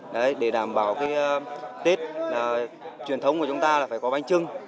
đấy để đảm bảo cái tết truyền thống của chúng ta là phải có bánh trưng